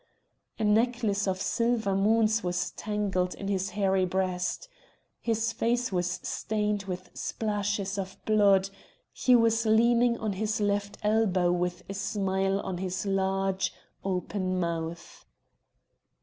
A necklace of silver moons was tangled in his hairy breast. His face was stained with splashes of blood; he was leaning on his left elbow with a smile on his large, open mouth.